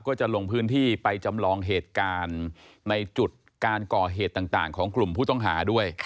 ก็จะลงพื้นที่ไปจำลองเหตุการณ์ในจุดการก่อเหตุต่างของกลุ่มผู้ต้องหาด้วย